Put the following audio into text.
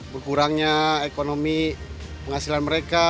berkurangnya ekonomi penghasilan mereka